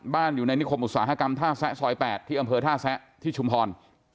อยู่ในนิคมอุตสาหกรรมท่าแซะซอย๘ที่อำเภอท่าแซะที่ชุมพร